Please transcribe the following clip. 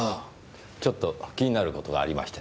ちょっと気になる事がありましてね。